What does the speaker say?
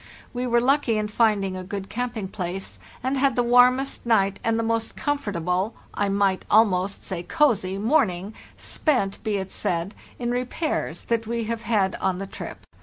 We were lucky in finding a good camping place, and had the warmest night and the most comfortable (I might almost say cozy) morn ing—spent, be it said, in repairs—that we have had on the trip.